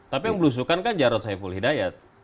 tapi yang berusukan kan jarod saiful hidayat